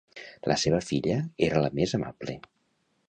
La seva filla era la més amable.